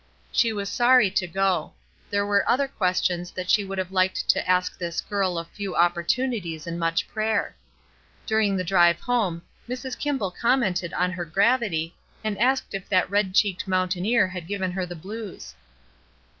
She was sorry to go; there were other ques tions that she would have liked to ask this girl of few opportunities and much prayer. Dur ing the drive home, Mrs. Kimball commented on her gravity, and asked if that red cheeked mountaineer had given her the blues.